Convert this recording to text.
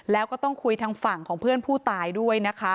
แล้วก็ต้องคุยทางฝั่งของเพื่อนผู้ตายด้วยนะคะ